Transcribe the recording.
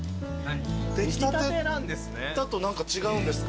できたてだと何か違うんですか？